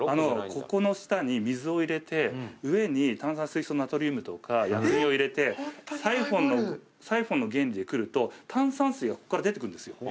ここの下に水を入れて上に炭酸水素ナトリウムとか薬品を入れてサイホンの原理でくると炭酸水がここから出てくるんですよ。